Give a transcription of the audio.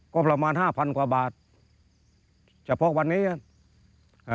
ก็ประมาณห้าพันกว่าบาทเฉพาะวันนี้อ่ะอ่า